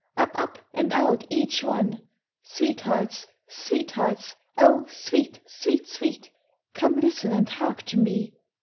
Up, up! and out, each one! Sweethearts! sweethearts! oh, sweet, sweet, sweet! Come listen and hark to me!